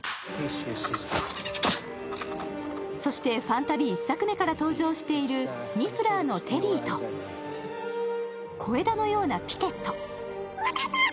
そして「ファンタビ」１作目から登場しているニフラーのテリーと、小枝のようなピケット。